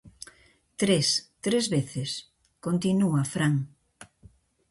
-Tres, tres veces... -continúa Fran-.